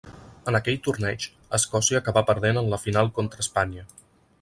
En aquell torneig Escòcia acabà perdent en la final contra Espanya.